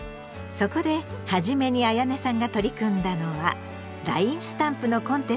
そこではじめにあやねさんが取り組んだのはＬＩＮＥスタンプのコンテストへの応募。